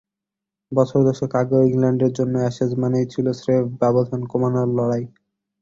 বছর দশেক আগেও ইংল্যান্ডের জন্য অ্যাশেজ মানেই ছিল স্রেফ ব্যবধান কমানোর লড়াই।